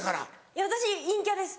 いや私陰キャです。